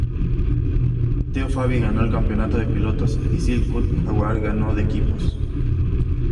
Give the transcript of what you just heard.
Teo Fabi ganó el Campeonato de Pilotos y Silk Cut Jaguar ganó de Equipos.